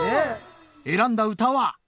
選んだ歌は？